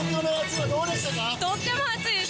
とっても暑いです。